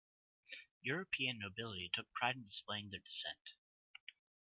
European nobility took pride in displaying their descent.